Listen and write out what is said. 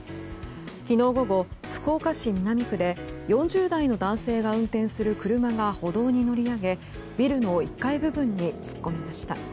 昨日午後、福岡市南区で４０代の男性が運転する車が歩道に乗り上げビルの１階部分に突っ込みました。